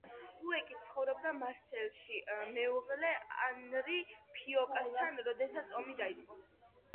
უეიკი ცხოვრობდა მარსელში, მეუღლე ანრი ფიოკასთან, როდესაც ომი დაიწყო.